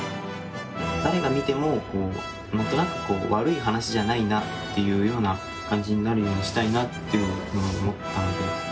誰が見ても何となく悪い話じゃないなっていうような感じになるようにしたいなっていうふうに思ったので。